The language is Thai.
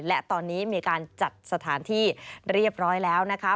และตอนนี้มีการจัดสถานที่เรียบร้อยแล้วนะคะ